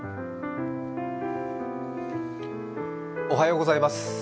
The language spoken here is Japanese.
おはようございます。